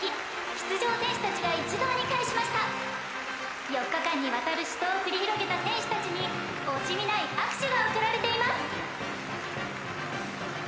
出場選手達が一堂に会しました４日間にわたる死闘を繰り広げた選手達に惜しみない拍手が送られています